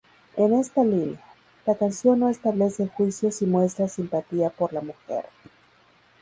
En esta línea, la canción no establece juicios y muestra simpatía por la mujer.